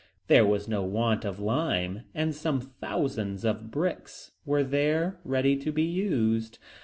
There was no want of lime, and some thousands of bricks were there ready to be used.